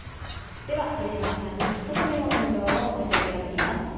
では春山さんにおすすめの運動を教えていただきます。